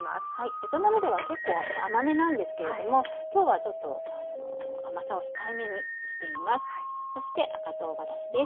ベトナムでは結構甘めなんですけれども今日はちょっと甘さを控えめにしています。